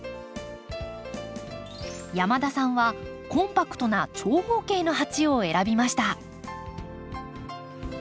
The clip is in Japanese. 山田さんはコンパクトな長方形の鉢を選びました。